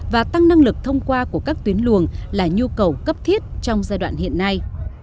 và tăng năng lực thông qua của các tuyến luồng là nhu cầu cấp thiết trong giai đoạn hiện nay